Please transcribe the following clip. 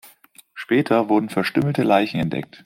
Später werden verstümmelte Leichen entdeckt.